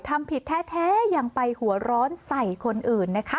ทำผิดแท้ยังไปหัวร้อนใส่คนอื่นนะคะ